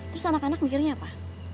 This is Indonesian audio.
terus anak anak mikirnya apa